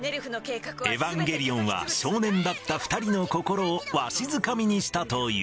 エヴァンゲリオンは少年だった２人の心をわしづかみにしたという。